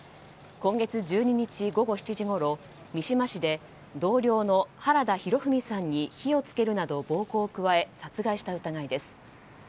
今月１２日、午後７時ごろ三島市で同僚の原田裕史さんに火を付けるなど、暴行を加え殺害した疑いです。